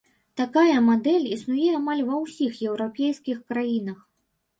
Такая мадэль існуе амаль ва ўсіх еўрапейскіх краінах.